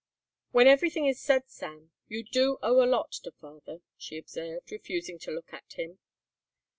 "When everything is said, Sam, you do owe a lot to father," she observed, refusing to look at him.